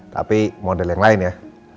tapi model yang lain ya